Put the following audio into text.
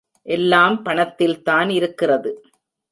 எல்லாம் பணத்தில்தான் இருக்கிறது.